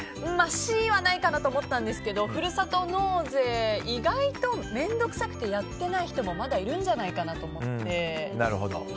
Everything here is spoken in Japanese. Ｃはないかなと思ったんですけどふるさと納税は意外と面倒臭くてやってない人もまだいるんじゃないかなと思って。